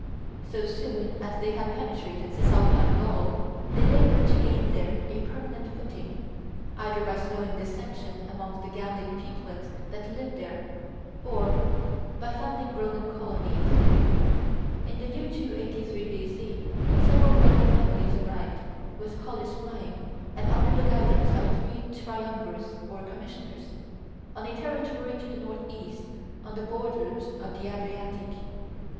So soon as they had penetrated Cisalpine Gaul, they labored to gain there a permanent footing, either by sowing dissension amongst the Gallic peoplets that lived there, or by founding Roman colonies. In the year 283 B.C., several Roman families arrived, with colors flying and under the guidance of three triumvirs or commissioners, on a territory to the north east, on the borders of the Adriatic.